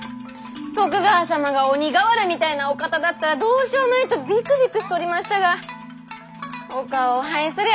徳川様が鬼瓦みたいなお方だったらどうしよまいとビクビクしとりましたがお顔を拝すりゃ